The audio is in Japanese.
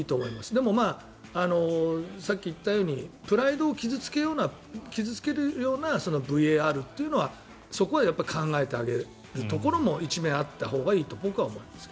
でも、さっき言ったようにプライドを傷付けるようなＶＡＲというのはそこは考えてあげるところも一面あったほうがいいと僕は思います。